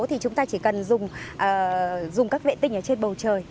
thì chúng ta chỉ cần dùng các vệ tinh ở trên bầu trời